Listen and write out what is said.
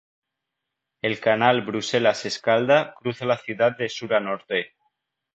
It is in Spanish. El canal Bruselas-Escalda cruza la ciudad de sur a norte.